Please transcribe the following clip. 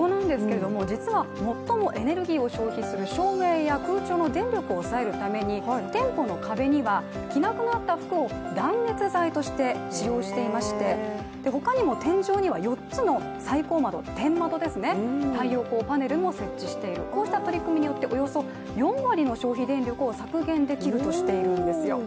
実は最もエネルギーを消費する照明や空調の電力を抑えるために店舗の壁には、着なくなった服を断熱材として使用していまして他にも天井には４つの採光窓、天窓ですね、太陽光パネルも設置している、こうした取り組みによっておよそ４割の消費電力を削減できるとしているんですよ。